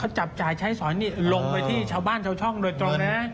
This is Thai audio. จับจ่ายใช้สอยนี่ลงไปที่ชาวบ้านชาวช่องโดยตรงนะ